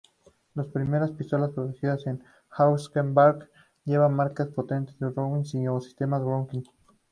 Las primeras pistolas producidas por Husqvarna llevaban marcajes "Patente Browning" o "Sistema Browning".